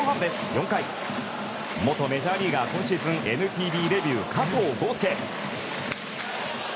４回、元メジャーリーガー今シーズンＮＰＢデビュー加藤豪将。